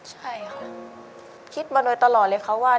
ใช่ค่ะคิดมาโดยตลอดเลยค่ะว่า